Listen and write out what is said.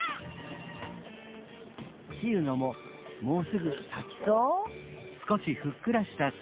しうのももうすぐさきそう？